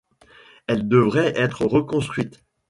Elle devrait être reconstruite.